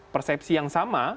persepsi yang sama